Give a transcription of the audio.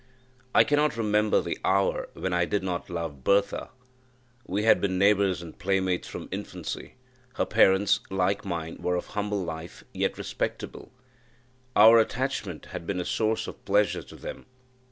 I cannot remember the hour when I did not love Bertha; we had been neighbours and playmates from infancy, her parents, like mine were of humble life, yet respectable, our attachment had been a source of pleasure to them.